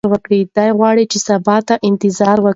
دی غواړي چې سبا ته انتظار وکړي.